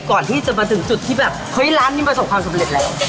ก่อนที่จะมาถึงจุดที่แบบเฮ้ยร้านนี้ประสบความสำเร็จแล้ว